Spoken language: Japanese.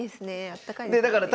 あったかいですもんね。